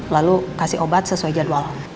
lalu kasih obat sesuai jadwal